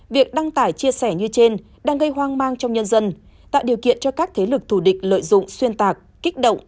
việc đăng tải chia sẻ như trên đang gây hoang mang trong nhân dân tạo điều kiện cho các thế lực thù địch lợi dụng xuyên tạc kích động